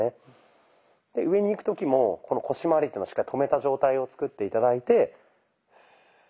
上にいく時もこの腰まわりっていうのをしっかり止めた状態を作って頂いて。